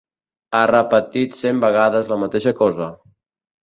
Ha repetit cent vegades la mateixa cosa.